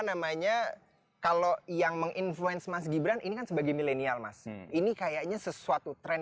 namanya kalau yang menginfluen mas gibran ini sebagai milenial masih ini kayaknya sesuatu tren